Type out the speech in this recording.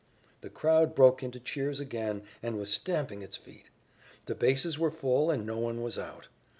The crowd broke into cheers again and was stamping its feet. The bases were full, and no one was out.